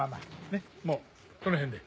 ねっもうこの辺で。